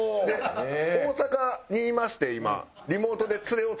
大阪にいまして今。